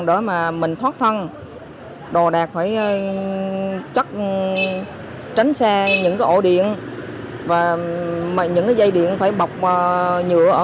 để mà mình thoát thân đồ đạc phải chắc tránh xa những cái ổ điện và những cái dây điện phải bọc nhựa